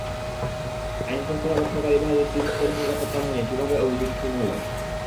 আইনশৃঙ্খলা রক্ষাকারী বাহিনীর তিন স্তরের নিরাপত্তা ভেঙে কীভাবে অভিজিৎ খুন হলেন।